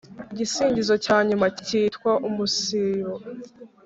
igisingizo cya nyuma kikitwa umusibo